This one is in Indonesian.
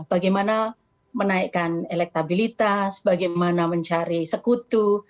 bagaimana menaikkan elektabilitas bagaimana mencari sekutu